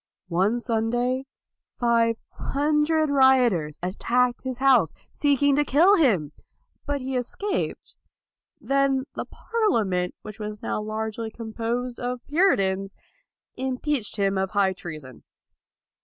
One Sunday, five hundred rioters attacked his house, seeking to kill him, but he escaped. Then the Parlia ment, which was now largely composed of Puritans, impeached him of high treason.